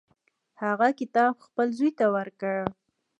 هغه کتاب خپل زوی ته ورکړ.